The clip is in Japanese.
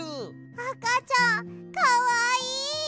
あかちゃんかわいい！